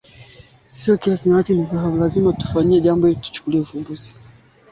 arobaini na mbili na Burundi asilimia sabini na nane